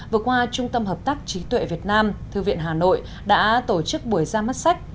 vừa qua trung tâm hợp tác trí tuệ việt nam thư viện hà nội đã tổ chức buổi ra mắt sách